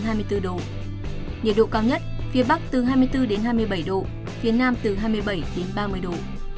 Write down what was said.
nhiệt độ cao nhất phía bắc từ hai mươi bốn đến hai mươi bảy độ phía nam từ hai mươi bảy đến ba mươi độ